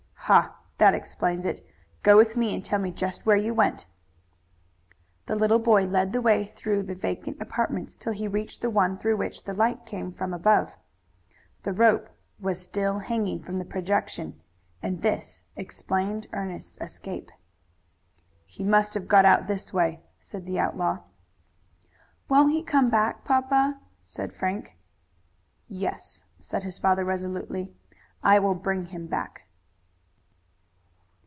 "Ha, that explains it. Go with me and tell me just where you went." The little boy led the way through the vacant apartments till he reached the one through which the light came from above. The rope was still hanging from the projection, and this explained Ernest's escape. "He must have got out this way," said the outlaw. "Won't he come back, papa?" said Frank. "Yes," said his father resolutely. "I will bring him back."